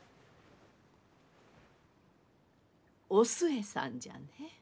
お寿恵さんじゃね。